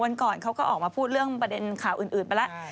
ก่อนเขาก็ออกมาพูดเรื่องประเด็นข่าวอื่นไปแล้ว